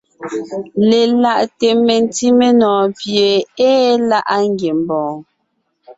Lelaʼte mentí menɔ̀ɔn pie ée láʼa ngiembɔɔn.